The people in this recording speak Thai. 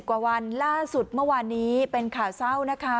กว่าวันล่าสุดเมื่อวานนี้เป็นข่าวเศร้านะคะ